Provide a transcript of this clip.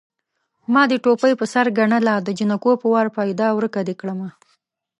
ما دې ټوپۍ په سر ګڼله د جنکو په وار پيدا ورکه دې کړمه